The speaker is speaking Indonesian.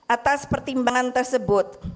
atas pertimbangan tersebut